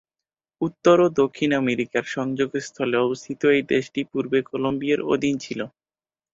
উত্তর ও দক্ষিণ আমেরিকার সংযোগস্থলে অবস্থিত এই দেশটি পূর্বে কলম্বিয়ার অধীন ছিল।